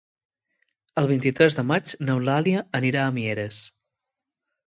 El vint-i-tres de maig n'Eulàlia anirà a Mieres.